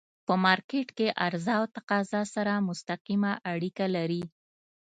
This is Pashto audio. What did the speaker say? په مارکيټ کی عرضه او تقاضا سره مستقیمه اړیکه لري.